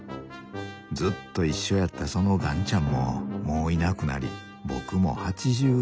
ずっと一緒やったその雁ちゃんももういなくなり僕も８４。